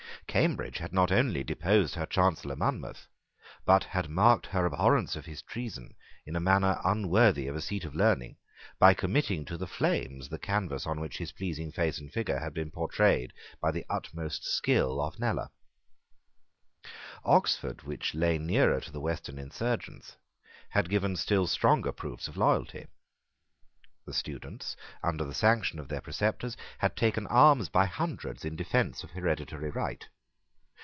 Cambridge had not only deposed her Chancellor Monmouth, but had marked her abhorrence of his treason in a manner unworthy of a scat of learning, by committing to the flames the canvass on which his pleasing face and figure had been portrayed by the utmost skill of Kneller. Oxford, which lay nearer to the Western insurgents, had given still stronger proofs of loyalty. The students, under the sanction of their preceptors, had taken arms by hundreds in defence of hereditary right.